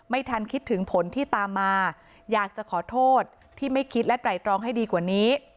ไม่ทันคิดถึงผลที่ตามมาอยากจะขอโทษที่ไม่คิดและไตรตรองให้ดีกว่านี้